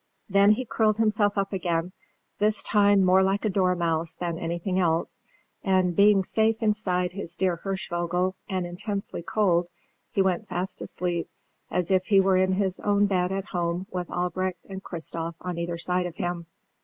Then he curled himself up again, this time more like a dormouse than anything else; and, being safe inside his dear Hirschvogel and intensely cold, he went fast asleep as if he were in his own bed at home with Albrecht, and Christof on either side of him.